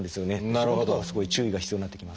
そこのところはすごい注意が必要になってきます。